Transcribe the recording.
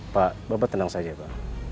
pak bapak tenang saja pak